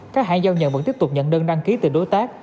các hãng giao nhận vẫn tiếp tục nhận đơn đăng ký từ đối tác